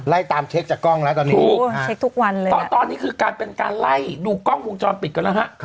ไล่ตามเช็คจากกล้องแล้วตอนนี้ตอนนี้คือการเป็นการไล่ดูกล้องวงจรปิดกันแล้วฮะ